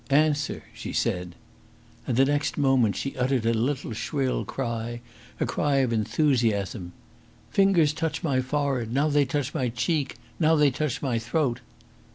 "Answer!" she said. And the next moment she uttered a little shrill cry a cry of enthusiasm. "Fingers touch my forehead now they touch my cheek now they touch my throat!"